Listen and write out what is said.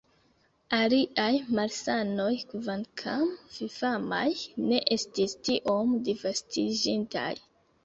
Aliaj malsanoj, kvankam fifamaj, ne estis tiom disvastiĝintaj.